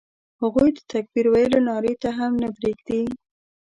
هغوی د تکبیر ویلو نارې ته هم نه پرېږدي.